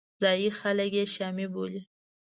ځایي خلک یې شامي بولي.